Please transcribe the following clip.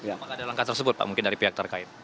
apakah ada langkah tersebut pak mungkin dari pihak terkait